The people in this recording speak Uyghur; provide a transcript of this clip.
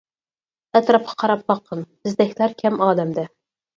ئەتراپقا قاراپ باققىن، بىزدەكلەر كەم ئالەمدە.